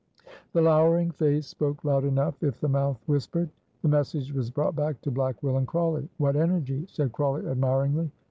The lowering face spoke loud enough if the mouth whispered. The message was brought back to Black Will and Crawley. "What energy!" said Crawley, admiringly.